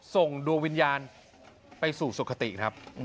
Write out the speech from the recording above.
ส่งดวงวิญญาณไปสู่สุขติครับ